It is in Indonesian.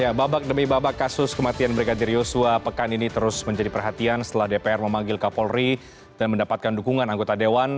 ya babak demi babak kasus kematian brigadir yosua pekan ini terus menjadi perhatian setelah dpr memanggil kapolri dan mendapatkan dukungan anggota dewan